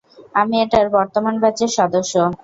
আমি এটার বর্তমান ব্যাচের সদস্য।